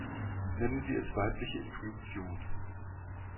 Nennen wir es weibliche Intuition.